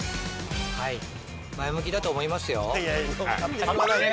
前向きだと思いますよ。